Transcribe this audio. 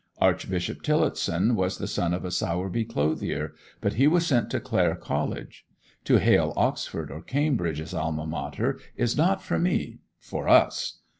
Archbishop Tillotson was the son of a Sowerby clothier, but he was sent to Clare College. To hail Oxford or Cambridge as alma mater is not for me—for us!